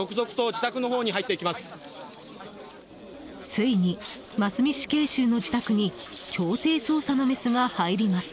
ついに真須美死刑囚の自宅に強制捜査のメスが入ります。